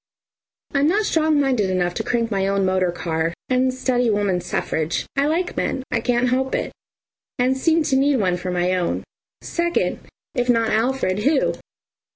I'm not strong minded enough to crank my own motor car and study woman's suffrage. I like men, can't help it, and seem to need one for my own. Second if not Alfred, who?